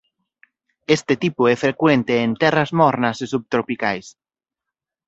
Este tipo é frecuente en terras mornas e subtropicais.